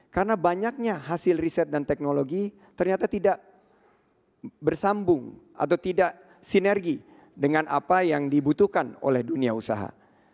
karena banyaknya hasil riset dan teknologi ternyata tidak bersambung atau tidak sinergi dengan apa yang dibutuhkan oleh dunia usaha